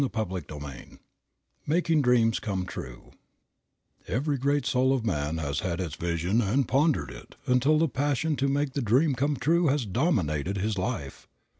CHAPTER IV MAKING DREAMS COME TRUE "Every great soul of man has had its vision and pondered it, until the passion to make the dream come true has dominated his life."